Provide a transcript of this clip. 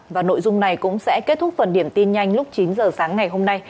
và nội dung này cũng sẽ kết thúc phần điểm tin nhanh lúc chín giờ sáng ngày hôm nay